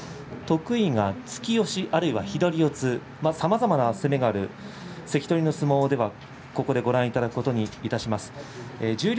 突き押し、左四つ、さまざまな攻めがある関取の相撲をここでご覧いただくことにいたしましょう。